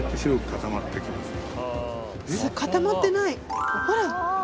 固まってないほら。